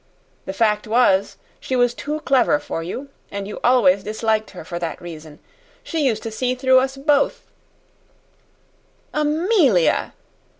The fact was, she was too clever for you, and you always disliked her for that reason. She used to see through us both " "Amelia!"